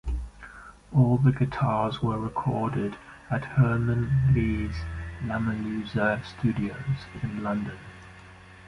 All the guitars were recorded at Herman Li's LamerLuser Studios in London.